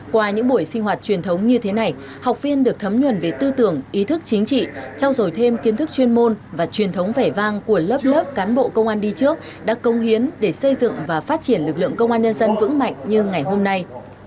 qua những buổi sinh hoạt truyền thống như thế này học viên được thấm nhuần về tư tưởng ý thức chính trị trao dổi thêm kiến thức chuyên môn và truyền thống vẻ vang của lớp lớp cán bộ công an đi trước đã công hiến để xây dựng và phát triển lực lượng công an nhân dân vững mạnh như ngày hôm nay